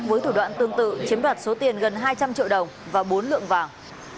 với thủ đoạn tương tự chiếm đoạt số tiền gần hai trăm linh triệu đồng và bốn lượng vàng